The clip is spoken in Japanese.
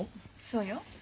そうよ。